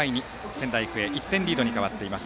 仙台育英１点リードに変わっています。